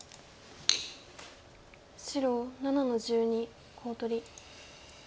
白７の十二コウ取り。